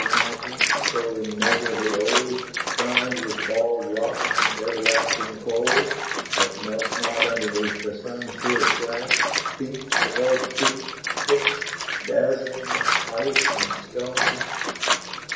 mountains, so immeasurably old, Crowned with bald rocks and everlasting cold, That melts not underneath the sun's fierce glance, Peak above peak, fixed, dazzling, ice and stones.